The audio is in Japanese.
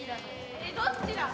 えっどっちだ？